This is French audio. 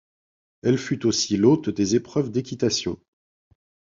Elle fut aussi l'hôte des épreuves d'équitation.